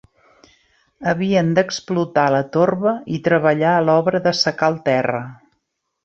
Havien d'explotar la torba i treballar a l'obra d'assecar el terra.